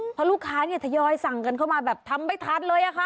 เพราะลูกค้าเนี่ยทยอยสั่งกันเข้ามาแบบทำไม่ทันเลยอะค่ะ